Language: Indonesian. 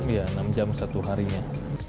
iya enam jam satu harinya